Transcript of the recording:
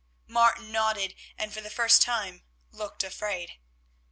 Martin nodded, and for the first time looked afraid.